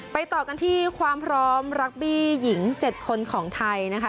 ต่อกันที่ความพร้อมรักบี้หญิง๗คนของไทยนะคะ